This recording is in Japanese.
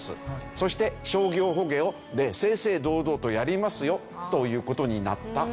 「そして商業捕鯨を正々堂々とやりますよ」という事になったと。